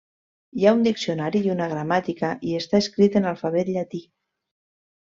Hi ha un diccionari i una gramàtica i està escrit en alfabet llatí.